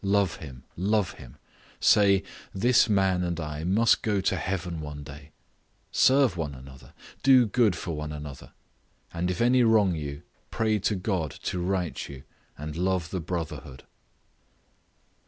Love him, love him; say, This man and I must go to heaven one day. Serve one another, do good for one another; and if any wrong you, pray to God to right you, and love the brotherhood.